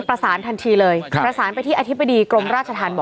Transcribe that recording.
ประสานทันทีเลยประสานไปที่อธิบดีเมือง